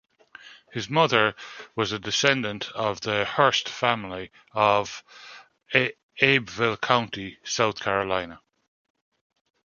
His mother was a descendant of the Hearst family of Abbeville County, South Carolina.